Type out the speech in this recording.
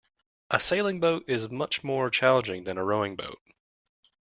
A sailing boat is much more challenging than a rowing boat